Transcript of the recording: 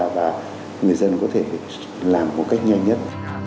và người dân có thể làm một cách nhanh nhất